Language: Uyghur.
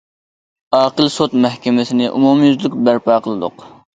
ئاقىل سوت مەھكىمىسىنى ئومۇميۈزلۈك بەرپا قىلدۇق.